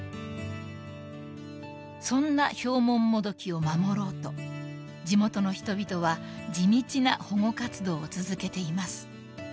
［そんなヒョウモンモドキを守ろうと地元の人々は地道な保護活動を続けています］